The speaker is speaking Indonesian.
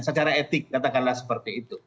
secara etik katakanlah seperti itu